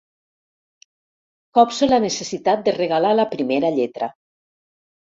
Copso la necessitat de regalar la primera lletra.